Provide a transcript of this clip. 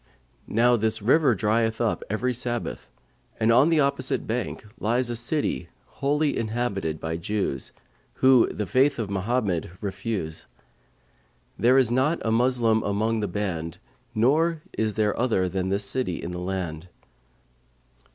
Now this river drieth up every Sabbath,[FN#542] and on the opposite bank lies a city wholly inhabited by Jews, who the faith of Mohammed refuse; there is not a Moslem among the band nor is there other than this city in the land.